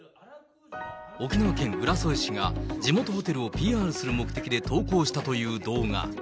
沖縄県浦添市が、地元ホテルをＰＲする目的で投稿したという動画。